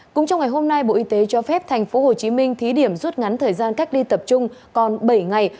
cũng trong ngày hôm nay bộ y tế cho phép thành phố hồ chí minh thí điểm rút ngắn thời gian cách đi tập trung còn bảy ngày